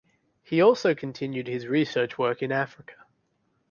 He also continued his research work in Africa.